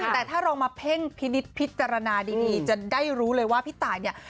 แต่ถ้าเรามาเพ่งพินิษฐพิจารณาดีจะได้รู้เลยว่าพี่ตายเนี่ย